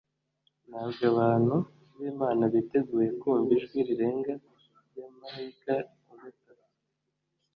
ntabwo abantu b'imana biteguye kumva ijwi rirenga rya marayika wa gatatu